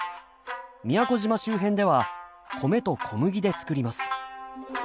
宮古島周辺では米と小麦で作ります。